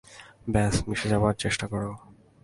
ব্যস মিশে যাবার চেষ্টা করো।